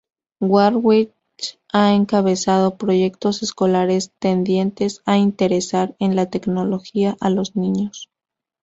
Warwick ha encabezado proyectos escolares tendientes a interesar en la tecnología a los niños.